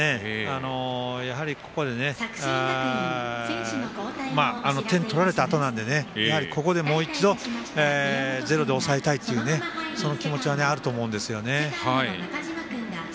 ここで点取られたあとなのでここでもう一度ゼロで抑えたいというその気持ちはあると思うんですよね。